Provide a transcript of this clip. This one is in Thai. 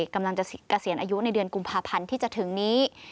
เกษียณอายุในเดือนกุมภาพันธ์ที่จะถึงนี้